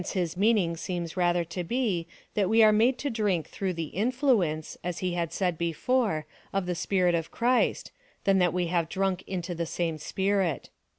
407 his meaning seems rather to be, that we are made to drink tliroug h the influence, as he had said before, of the Spirit of Christ, than that we have drunk into the same Spirit.